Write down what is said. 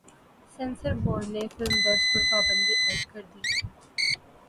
censor board نے film درج پر پابندی عائد کر دی